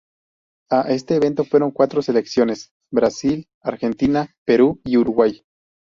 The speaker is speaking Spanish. A este evento fueron cuatro selecciones: Brasil, Argentina, Perú y Uruguay.